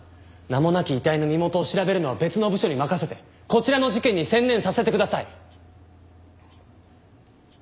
名もなき遺体の身元を調べるのは別の部署に任せてこちらの事件に専念させてください。